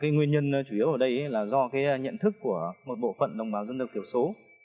nguyên nhân chủ yếu ở đây là do nhận thức của một bộ phận đồng bào dân tộc thiểu số